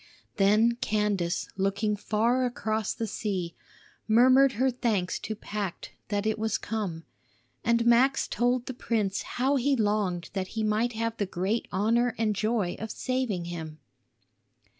Then Candace, looking far across the sea, murmured her thanks to Pacht that it was come; and Max told the prince how he longed that he might have the great honor and joy of saving him.